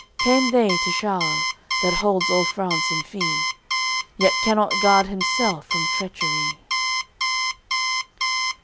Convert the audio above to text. Came they to Charle, that holds all France in fee, Yet cannot guard himself from treachery.